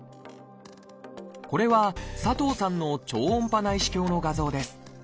これは佐藤さんの超音波内視鏡の画像です。